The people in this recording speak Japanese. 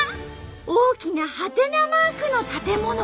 大きなはてなマークの建物。